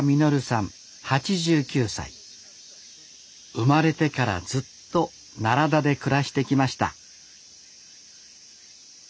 生まれてからずっと奈良田で暮らしてきました